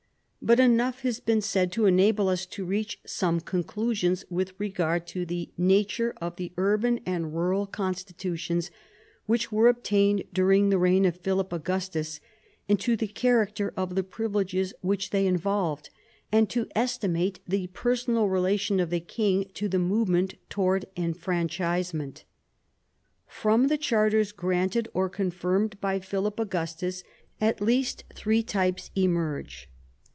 But enough has been said to enable us to reach some conclusions with regard to the nature of the urban and rural constitutions which were obtained during the reign of Philip Augustus and to the character of the privileges which they involved, and to estimate the personal relation of the king to the movement towards enfranchisement. From the charters granted or confirmed by Philip Augustus at least three types emerge.